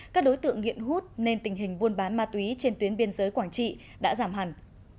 các đối tượng nghiện hút nên tình hình buôn bán ma túy trên tuyến biên giới quảng trị đã giảm hẳn